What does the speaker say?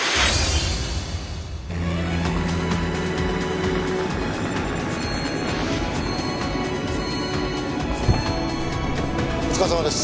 お疲れさまです。